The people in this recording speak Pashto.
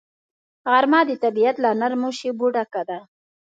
غرمه د طبیعت له نرمو شیبو ډکه ده